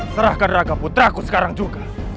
serahkan raga putraku sekarang juga